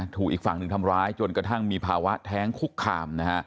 อีกฝั่งหนึ่งทำร้ายจนกระทั่งมีภาวะแท้งคุกคามนะฮะ